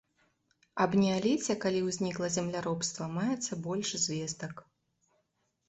Аб неаліце, калі ўзнікла земляробства, маецца больш звестак.